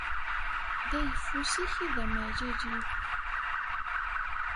D ayeffus-ik i d amalal-iw.